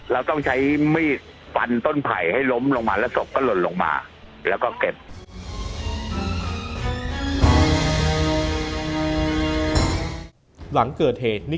เราต้องใช้มีดฟันต้นไผ่ที่ล้มไปลงมาก็สบรนรงมาจบฟันก็แก็น